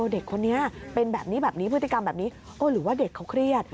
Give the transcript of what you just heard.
เด็กคนนี้เป็นแบบนี้แบบนี้พฤติกรรมแบบนี้โอ้หรือว่าเด็กเขาเครียด